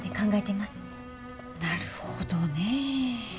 なるほどね。